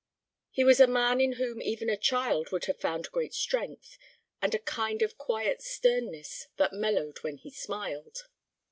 He was a man in whom even a child would have found great strength, and a kind of quiet sternness that mellowed when he smiled.